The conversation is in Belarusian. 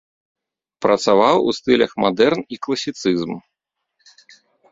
Працаваў у стылях мадэрн і класіцызм.